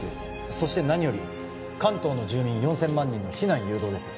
そして何より関東の住民４０００万人の避難誘導です